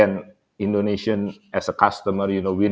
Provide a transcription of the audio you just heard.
di indonesia sebagai pelanggan